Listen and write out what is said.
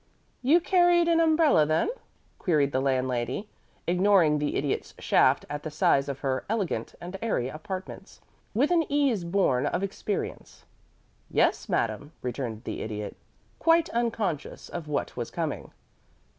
"You carried an umbrella, then?" queried the landlady, ignoring the Idiot's shaft at the size of her "elegant and airy apartments" with an ease born of experience. "Yes, madame," returned the Idiot, quite unconscious of what was coming.